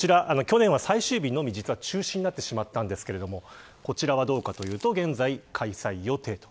こちら、去年は最終日のみ中止になってしまったんですがこちらはどうかというと現在、開催予定。